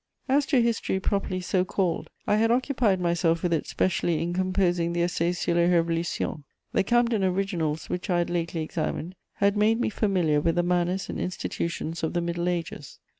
As to history properly so called, I had occupied myself with it specially in composing the Essai sur les Révolutions. The Camden originals which I had lately examined had made me familiar with the manners and institutions of the Middle Ages.